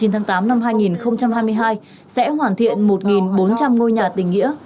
chín tháng tám năm hai nghìn hai mươi hai sẽ hoàn thiện một bốn trăm linh ngôi nhà tình nghĩa